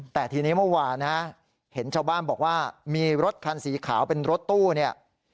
แต่ทีนี้เมื่อวานนะเห็นชาวบ้านบอกว่ามีรถคันสีขาวเป็นรถตู้เนี่ย